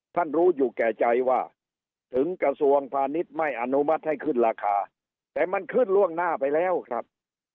รู้อยู่แก่ใจว่าถึงกระทรวงพาณิชย์ไม่อนุมัติให้ขึ้นราคาแต่มันขึ้นล่วงหน้าไปแล้วครับ